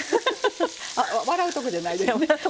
あ笑うところじゃないですね。